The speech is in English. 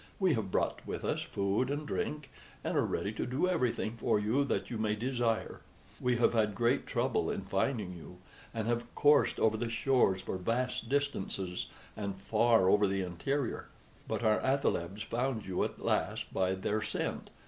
We have brought with us food and drink, and are ready to do everything for you that you may desire. We have had great trouble in finding you, and have coursed over the shores for vast distances, and far over the interior, but our athalebs found you at last by their scent.